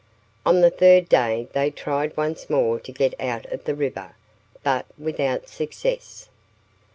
On the third day they tried once more to get out of the river, but without success.